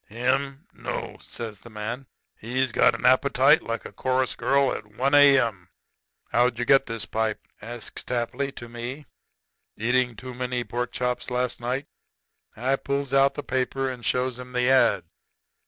"'Him? No,' says the man. 'He's got an appetite like a chorus girl at 1 A.M.' "'How'd you get this pipe?' says Tapley to me. 'Eating too many pork chops last night?' "I pulls out the paper and shows him the ad.